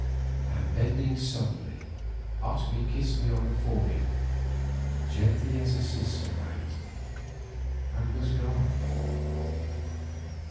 And bending suddenly, Otomie kissed me on the forehead gently as a sister might, and was gone.